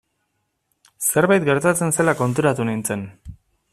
Zerbait gertatzen zela konturatu nintzen.